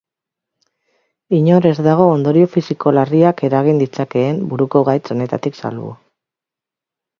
Inor ez dago ondorio fisiko larriak eragin ditzakeen buruko gaitz honetatik salbu.